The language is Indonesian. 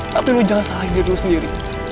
tapi lu jangan salahin diri lu sendiri